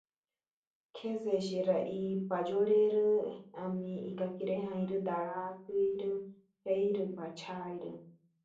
Por lo general su coloración es variable, entre pardo amarillento a marrón claro.